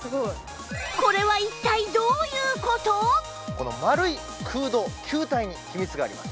この丸い空洞球体に秘密があります。